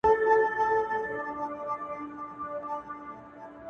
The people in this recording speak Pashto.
ښه!!! که زه هیره خاطره کړمه نو څنګه به شي